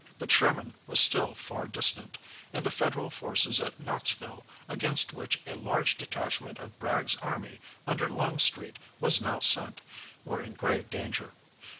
But Sherman was still far distant, and the Federal forces at Knoxville, against which a large detachment of Bragg's army under Longstreet was now sent, were in grave danger.